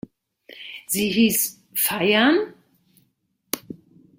Sie hieß "Feiern?